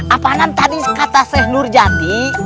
apaan tadi kata seh nurjati